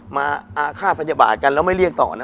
มาอาฆาตปัญหบาทกันแล้วไม่เรียกต่อ